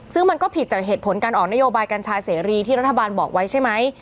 ซึ่งมันก็ผิดจากเหตุผลการออกนโยบายกัญชาเสรีที่รัฐบาลบอกไว้ใช่ไหม